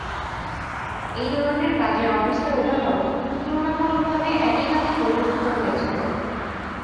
এই ধরনের কাজের অবস্থার উদাহরণ তুলনামূলকভাবে একই খাতে পরিলক্ষিত হয়েছিল।